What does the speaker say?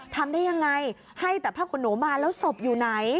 ทำได้ยังไงให้แต่ผ้าขนหนูมาแล้วศพอยู่ไหน